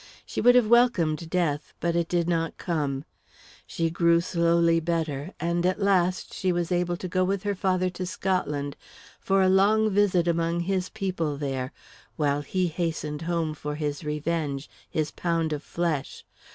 She would have welcomed death, but it did not come. She grew slowly better, and at last she was able to go with her father to Scotland, for a long visit among his people there, while he hastened home for his revenge his pound of flesh.